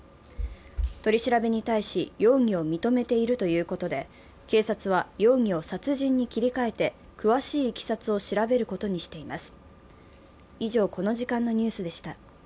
取り調べに対し容疑を認めているということで、警察は容疑を殺人に切り替えて詳しいいきさつを調べることにしています。